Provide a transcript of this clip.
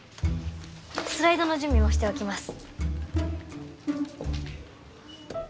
スライドの準備もしておきます